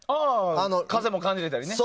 風も感じられたりね。